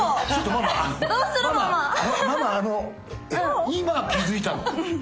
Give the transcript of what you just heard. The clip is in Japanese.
ママあの今気付いたの？